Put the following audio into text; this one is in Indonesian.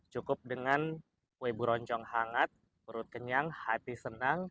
cukup dengan kue buroncong hangat perut kenyang hati senang